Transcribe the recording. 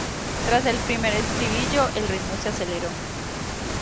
Tras el primer estribillo, el ritmo se aceleró.